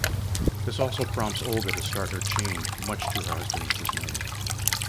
This also prompts Olga to start her change much to her husband's dismay.